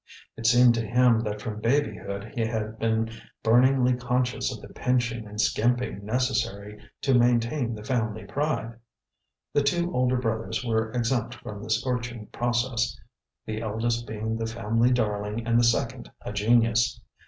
It seemed to him that from babyhood he had been burningly conscious of the pinching and skimping necessary to maintain the family pride. The two older brothers were exempt from the scorching process, the eldest being the family darling and the second a genius.